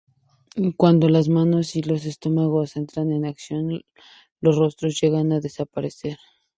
Cuando las manos y los estómagos entran en acción, los rostros llegan a desaparecer.